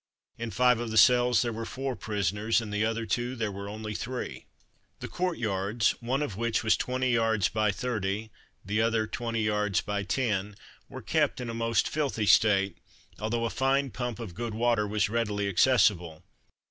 In five of the cells there were four prisoners; in the other two, there were only three. The court yards (one of which was 20 yards by 30, the other 20 yards by 10) were kept in a most filthy state, although a fine pump of good water was readily accessible.